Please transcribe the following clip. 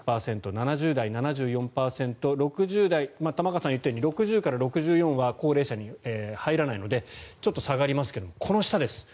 ７０代、７４％６０代、玉川さんが言ったように６０歳から６４歳は高齢者に入らないのでちょっと下がりますがこの下です。